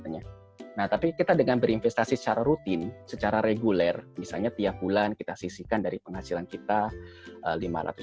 nah tapi kita dengan berinvestasi secara rutin secara reguler misalnya tiap bulan kita sisihkan dari penghasilan kita lima ratus ribu atau mungkin dua ratus ribu di emas gitu ya